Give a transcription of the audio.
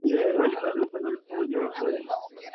Kabisa katika kundi la Jackson Tano mnamo mwaka wa